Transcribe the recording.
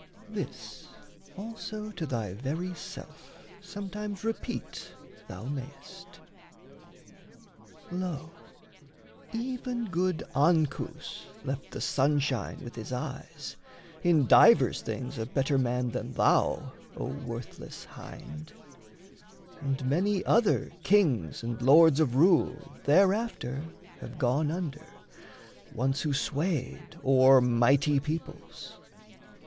This also to thy very self sometimes Repeat thou mayst: "Lo, even good Ancus left The sunshine with his eyes, in divers things A better man than thou, O worthless hind; And many other kings and lords of rule Thereafter have gone under, once who swayed O'er mighty peoples.